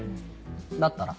だったら。